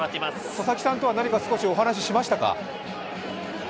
佐々木さんとは何か少しお話ししましたか？